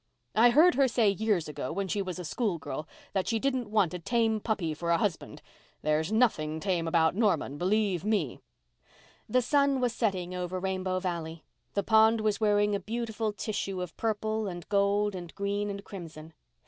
I heard her say years ago when she was a schoolgirl that she didn't want a tame puppy for a husband. There's nothing tame about Norman, believe me." The sun was setting over Rainbow Valley. The pond was wearing a wonderful tissue of purple and gold and green and crimson.